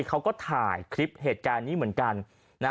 เขาก็ถ่ายคลิปเหตุการณ์นี้เหมือนกัน